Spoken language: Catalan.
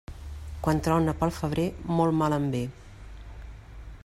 Quan trona pel febrer, molt mal en ve.